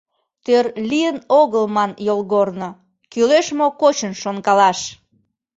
Тӧр лийын огыл ман йолгорно, Кӱлеш мо кочын шонкалаш?